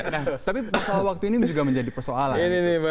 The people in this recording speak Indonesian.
nah tapi waktu ini juga menjadi persoalan